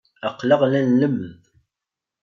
Aql-aɣ la nlemmed.